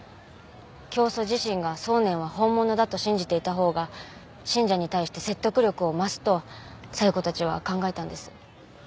教祖自身が送念は本物だと信じていた方が信者に対して説得力を増すと佐代子たちは考えたんです。